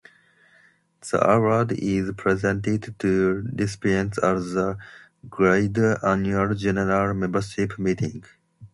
The award is presented to recipients at the Guild's annual general membership meeting.